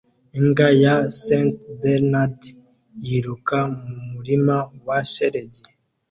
Imbwa ya St Bernard yiruka mu murima wa shelegi